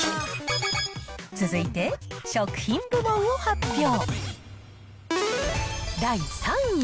続いて食品部門を発表。